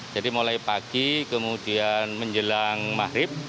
jadi mulai pagi kemudian menjelang mahrib